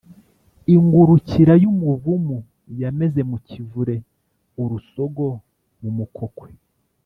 Ingurukira y'umuvumu yameze mu kivure-Urusogo mu mukokwe.